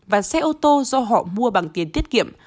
và xe ô tô do họ mua bằng tiền tiết kiệm